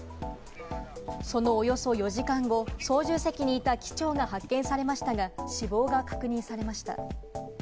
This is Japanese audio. そのおよそ４時間後、操縦席にいた機長が発見されましたが、死亡が確認されました。